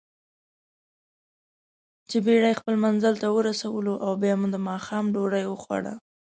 چې بېړۍ خپل منزل ته ورسولواو بیا مو دماښام ډوډۍ وخوړه.